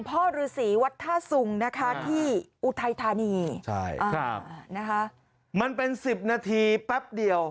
ฤษีวัดท่าสุงนะคะที่อุทัยธานีใช่นะคะมันเป็น๑๐นาทีแป๊บเดียว